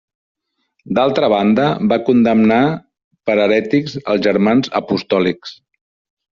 D'altra banda, va condemnar per herètics els Germans Apostòlics.